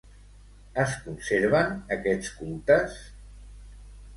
Es conserven, aquests cultes?